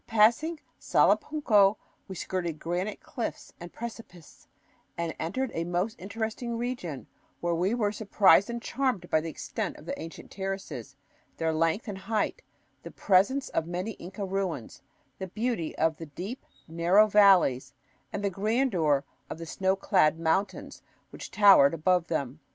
Passing Salapunco, we skirted granite cliffs and precipices and entered a most interesting region, where we were surprised and charmed by the extent of the ancient terraces, their length and height, the presence of many Inca ruins, the beauty of the deep, narrow valleys, and the grandeur of the snow clad mountains which towered above them.